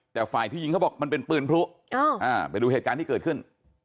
แต่ฝ่ายที่ยิงเขาบอกมันเป็นปืนพลุไปดูเหตุการณ์ที่เกิดขึ้น